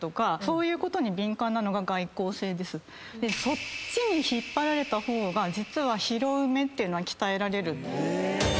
そっちに引っ張られた方が実は拾う目っていうのは鍛えられる。